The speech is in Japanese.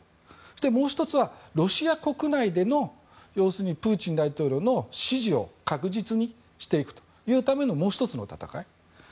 もう１つはロシア国内での要するにプーチン大統領の支持を確実にしていくというためのもう１つの戦い。